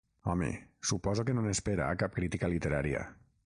Home, suposo que no n'espera cap crítica literària.